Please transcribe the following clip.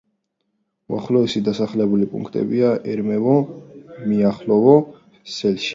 უახლოესი დასახლებული პუნქტებია: ერემეევო, მიხაილოვო, სელიშე.